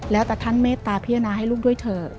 แล้วแต่ท่านเมตตาพิจารณาให้ลูกด้วยเถอะ